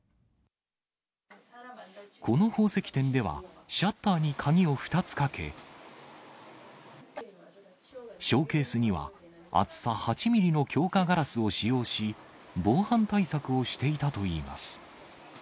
この宝石店では、シャッターに鍵を２つかけ、ショーケースには厚さ８ミリの強化ガラスを使用し、防犯対策をしていたといいます。